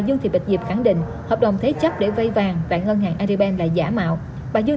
dương bạch diệp khẳng định hợp đồng thế chấp để vây vàng tại ngân hàng aribem là giả mạo bà dương